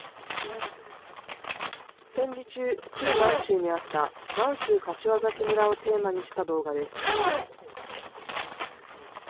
戦時中、旧満州にあった満州柏崎村をテーマにした動画です。